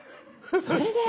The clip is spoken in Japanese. それで！